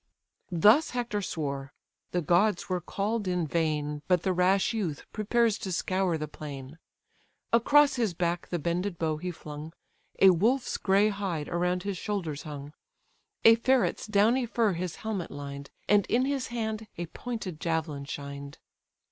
Thus Hector swore: the gods were call'd in vain, But the rash youth prepares to scour the plain: Across his back the bended bow he flung, A wolf's grey hide around his shoulders hung, A ferret's downy fur his helmet lined, And in his hand a pointed javelin shined.